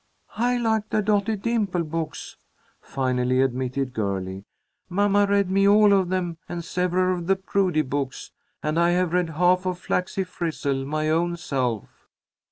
"I like the Dotty Dimple books," finally admitted Girlie. "Mamma read me all of them and several of the Prudy books, and I have read half of 'Flaxie Frizzle' my own self."